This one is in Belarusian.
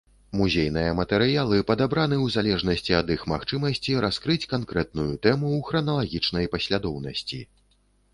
Музейныя матэрыялы падабраны ў залежнасці ад іх магчымасці раскрыць канкрэтную тэму ў храналагічнай паслядоўнасці.